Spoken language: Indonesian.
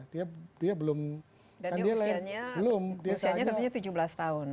dan dia usianya katanya tujuh belas tahun